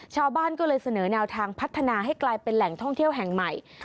ชาวบ้านก็เลยเสนอแนวทางพัฒนาให้กลายเป็นแหล่งท่องเที่ยวแห่งใหม่